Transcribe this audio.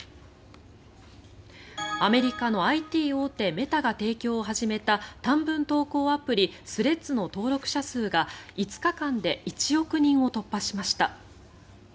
アメリカのＩＴ大手メタが提供を始めた短文投稿アプリスレッズの登録者数が５日間で１億人を突破しました。